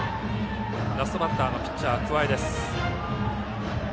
ラストバッターのピッチャー、桑江。